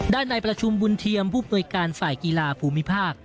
ในประชุมบุญเทียมผู้หน่วยการฝ่ายกีฬาภูมิภาค